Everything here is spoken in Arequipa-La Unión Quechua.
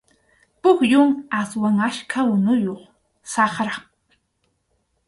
Pukyum aswan achka unuyuq, saqrap.